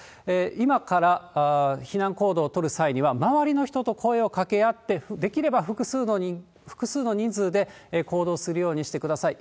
今から避難行動を取る際には、周りの人と声をかけ合って、できれば複数の人数で行動するようにしてください。